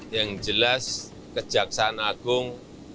yang jelas kejaksaan agung